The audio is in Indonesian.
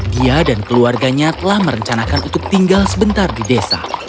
dia dan keluarganya telah merencanakan untuk tinggal sebentar di desa